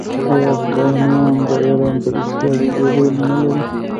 آیا افغانان د ایران په اقتصاد کې رول نلري؟